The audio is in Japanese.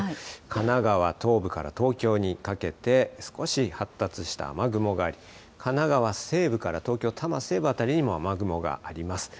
神奈川東部から東京にかけて少し発達した雨雲があり、神奈川西部から東京多摩西部辺りにも雨雲があります。